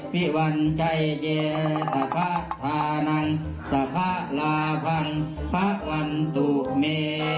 วิวันใจเจสาภาธานังสาภาลาฟังสาภาวันตุเม